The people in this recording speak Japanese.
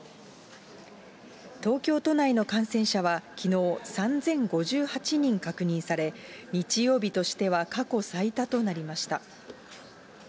東京都内の感染者は、きのう３０５８人確認され、日曜日としては過去最多となりました。